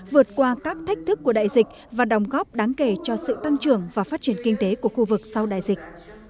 vượt qua các thách thức của đại dịch và đồng góp đáng kể cho sự tăng trưởng và phát triển kinh tế của khu vực sau đại dịch